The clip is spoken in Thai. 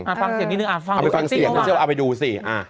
เอาไปฟังเสียงนิดนึงเอาไปฟังเสียงเขาจะเอาไปดูสิอ่ะ